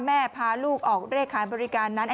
แม่พาลูกออกเรศคานบริการนั้น